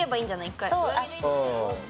１回。